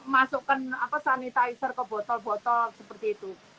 masukkan sanitizer ke botol botol seperti itu